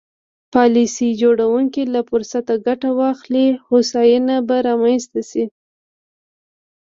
پالیسي جوړوونکي له فرصته ګټه واخلي هوساینه به رامنځته شي.